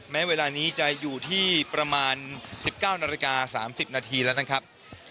แม้เวลานี้จะอยู่ที่ประมาณ๑๙นาฬิกา๓๐นาทีแล้วนะครับ